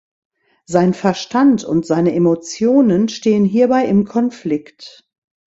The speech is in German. Sein Verstand und seine Emotionen stehen hierbei im Konflikt.